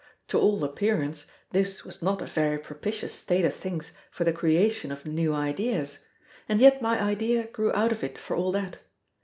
To all appearance, this was not a very propitious state of things for the creation of new ideas, and yet my idea grew out of it, for all that.